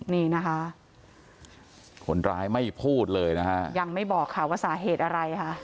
นี่นะคะคนร้ายไม่พูดเลยนะฮะยังไม่บอกค่ะว่าสาเหตุอะไรค่ะ